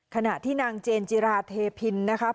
ขณะที่นางเจนเจราะเทพิลนะครับ